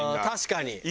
確かに。